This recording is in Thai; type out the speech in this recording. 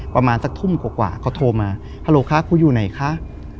ประมาณสักทุ่มกว่าเขาโทรมาฮาโหลคะกูอยู่ไหนคะ